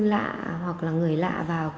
lạ hoặc là người lạ vào